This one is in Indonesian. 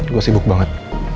gue sibuk banget